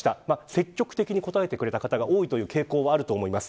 積極的に答えてくれた方が多いという傾向があります。